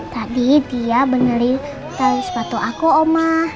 tadi dia menelitai sepatu aku oma